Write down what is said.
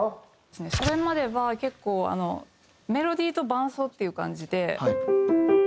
それまでは結構あのメロディーと伴奏っていう感じで。